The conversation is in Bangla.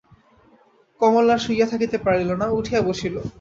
কমলা আর শুইয়া থাকিতে পারিল না, উঠিয়া বসিল।